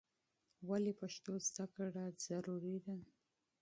ولې پښتو زده کړه مهمه ده؟